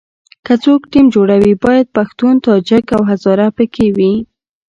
که څوک ټیم جوړوي باید پښتون، تاجک او هزاره په کې وي.